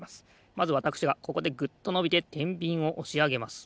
まずわたくしがここでグッとのびててんびんをおしあげます。